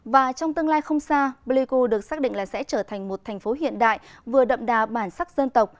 và trong tương lai không xa pleiku được xác định là sẽ trở thành một thành phố hiện đại vừa đậm đà bản sắc dân tộc